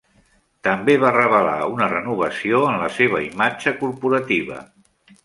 També, va revelar una renovació en la seva imatge corporativa.